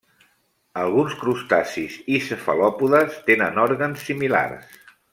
Alguns crustacis i cefalòpodes tenen òrgans similars.